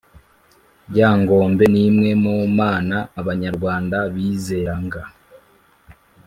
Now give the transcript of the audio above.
Ryangombe nimwe mu mana abanyarwanda bizeranga